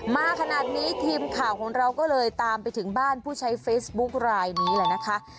มาขนาดนี้ทีมข่าวของเราก็เลยตามไปถึงบ้านผู้ใช้เฟซบุ๊คลายนี้แหละนะคะ